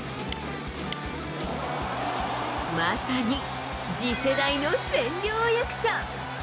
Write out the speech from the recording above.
まさに次世代の千両役者。